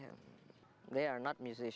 mereka bukan musisi